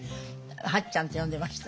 八ちゃんって呼んでました。